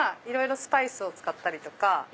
いろいろスパイスを使ったり。